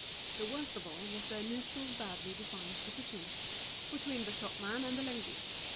The worst of all was their neutral, badly defined position, between the shopwoman and the lady.